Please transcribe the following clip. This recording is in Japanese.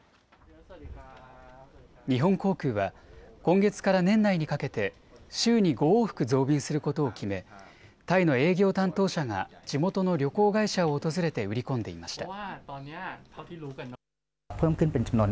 日本航空は今月から年内にかけて週に５往復増便することを決めタイの営業担当者が地元の旅行会社を訪れて売り込んでいました。